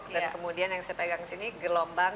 kemudian yang saya pegang sini gelombang